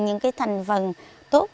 những thành phần tốt